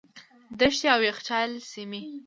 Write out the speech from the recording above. دښتې او یخچالي سیمې.